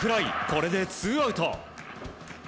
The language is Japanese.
これでツーアウト。